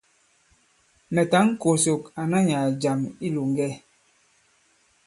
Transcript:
Mɛ̀ tǎŋ kòsòk àna nyàà jàm i ilòŋgɛ.